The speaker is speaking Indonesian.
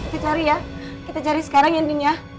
kita cari ya kita cari sekarang ya din ya